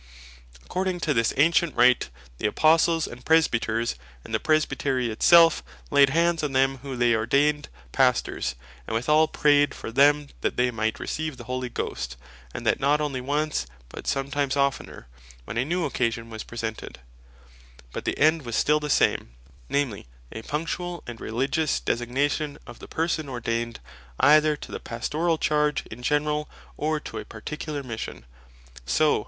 According to this ancient Rite, the Apostles, and Presbyters, and the Presbytery it self, Laid Hands on them whom they ordained Pastors, and withall prayed for them that they might receive the Holy Ghost; and that not only once, but sometimes oftner, when a new occasion was presented: but the end was still the same, namely a punctuall, and religious designation of the person, ordained either to the Pastorall Charge in general, or to a particular Mission: so (Act.